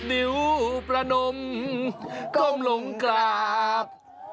นิ้วประนมก้มลงกราบ